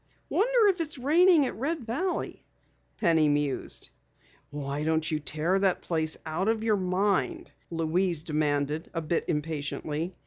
"Wonder if it's raining at Red Valley?" Penny mused. "Why don't you tear that place out of your mind?" Louise demanded a bit impatiently.